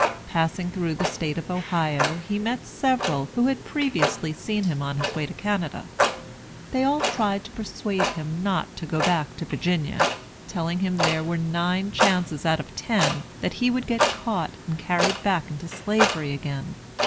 Passing through the State of Ohio, he met several who had previously seen him on his way to Canada. They all tried to persuade him not to go back to Virginia; telling him there were nine chances out of ten that he would get caught and carried back into Slavery again.